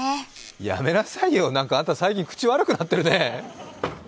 やめなさいよ、あなた最近、口悪くなってるねえ。